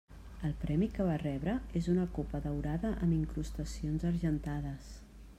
El premi que va rebre és una copa daurada amb incrustacions argentades.